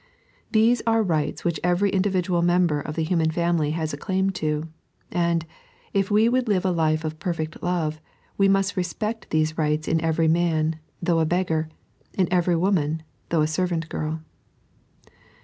These are rights which every individual member of the human family has a claim to ; and, if we would live a life of perfect love, we must respect these rights in every man, though a beggar ; in every woman, though a servant girl.